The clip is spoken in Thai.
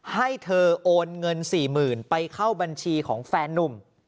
ให้เธอโอนเงิน๔๐๐๐ไปเข้าบัญชีของแฟนนุ่ม